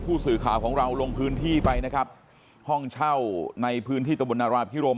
ผู้สื่อข่าวของเราลงพื้นที่ไปนะครับห้องเช่าในพื้นที่ตะบนนาราพิรม